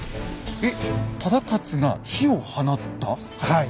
はい。